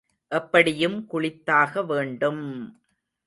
எப்படியும் குளித்தாக வேண்டும்!